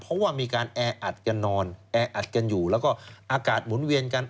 เพราะว่ามีการแออัดกันนอนแออัดกันอยู่แล้วก็อากาศหมุนเวียนกัน